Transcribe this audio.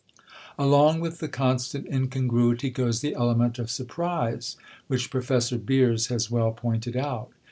Along with the constant incongruity goes the element of surprise which Professor Beers has well pointed out.